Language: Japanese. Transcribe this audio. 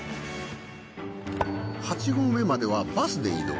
８合目まではバスで移動。